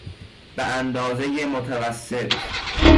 به اندازهی متوسط